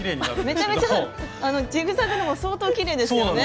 めちゃめちゃジグザグでも相当きれいですよね。